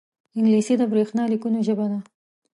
انګلیسي د برېښنا لیکونو ژبه ده